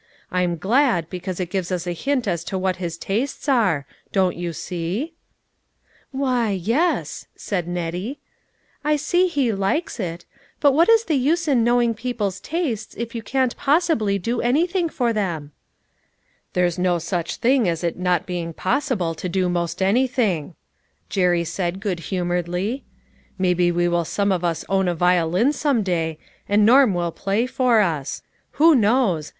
I'm glad, because it gives us a hint as to what his tastes are ; don't you see ?"" Why, yes," said Nettie, " I see he likes it ; but what is the use in knowing people's tastes if you cannot possibly do anything for them ?"" There's no such thing as it not being possible 324 LITTLE FISHEKS: AND THEIR NETS. to do most anything," Jerry said good humor edly. " Maybe we will some of us own a violin some day, and Norm will play it for us. Who knows?